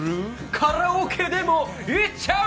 カラオケでも行っちゃう？